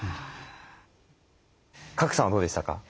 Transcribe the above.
賀来さんはどうでしたか？